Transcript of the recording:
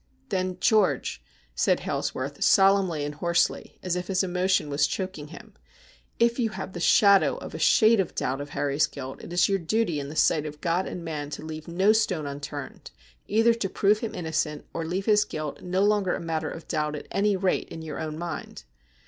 ' Then, George,' said Hailsworth, solemnly and hoarsely, as if his emotion was choking him, 'if you have the shadow of a shade of doubt of Harry's guilt it is your duty in the sight of God and man to leave no stone unturned, either to prove him innocent or leave his guilt no longer a matter of doubt at any rate in your own mind.'